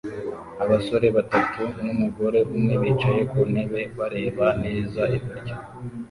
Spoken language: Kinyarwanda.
Abasore batatu numugore umwe bicaye ku ntebe bareba neza iburyo